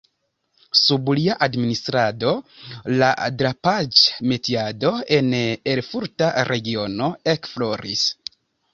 Sub lia administrado la drapaĵ-metiado en la erfurta regiono ekfloris.